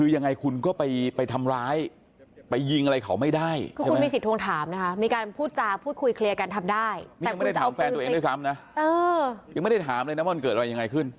ยังไม่ได้ถามเลยนะว่ามันเกิดอะไรยังไงขึ้น